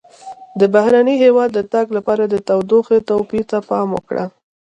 د بهرني هېواد د تګ لپاره د تودوخې توپیر ته پام وکړه.